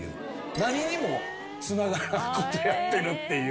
何にもつながらんことやってるっていう。